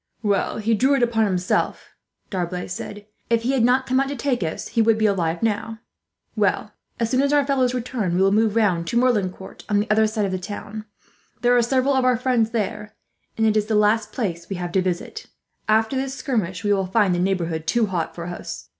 "He drew it upon himself," D'Arblay said. "If he had not come out to take us, he would be alive now. "Well, as soon as our fellows return we will move round to Merlincourt, on the other side of the town. There are several of our friends there, and it is the last place we have to visit. After this skirmish, we shall find the neighbourhood too hot for us.